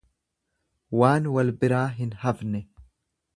Waan wal biraa hin hafne.